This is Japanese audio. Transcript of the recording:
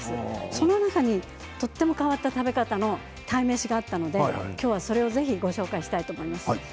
その中にとても変わった食べ方の鯛めしがあったのでそれをぜひご紹介したいと思います。